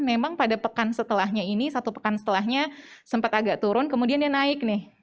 memang pada pekan setelahnya ini satu pekan setelahnya sempat agak turun kemudian dia naik nih